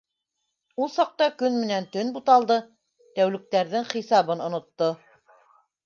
Ул саҡта көн менән төн буталды, тәүлектәрҙең хисабын онотто.